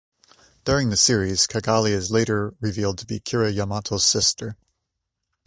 During the series, Cagalli is later revealed to be Kira Yamato's sister.